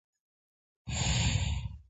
კრიტიკოსები მას სასწაულს უწოდებდნენ.